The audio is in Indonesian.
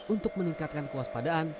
untuk meningkatkan kewaspadaan